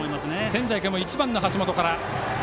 仙台育英も１番の橋本から。